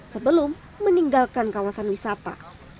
sebelum meninggalkan kawasan wisata